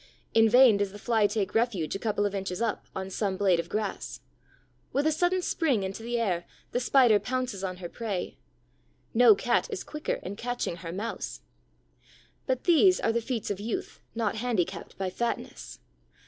In vain does the Fly take refuge a couple of inches up, on some blade of grass. With a sudden spring into the air, the Spider pounces on her prey. No Cat is quicker in catching her Mouse. But these are the feats of youth not handicapped by fatness.